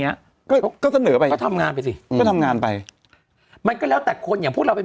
เนี้ยก็เขาก็เสนอไปก็ทำงานไปสิก็ทำงานไปมันก็แล้วแต่คนอย่างพวกเราไป